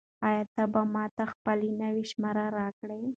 آیا ته به ماته خپله نوې شمېره راکړې؟